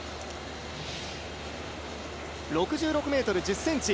６６ｍ１０ｃｍ。